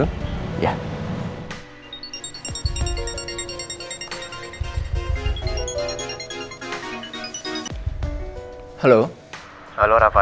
tadi kamu bilang dia sama rafael kan